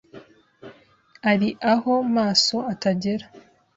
Ari aho maso atagera